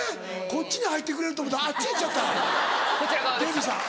こっちに入ってくれると思ったらあっち行っちゃったデヴィさん。